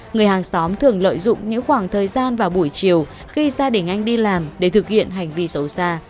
người hàng xóm thường lợi dụng những khoảng thời gian vào buổi chiều khi gia đình anh đi làm để thực hiện hành vi xấu xa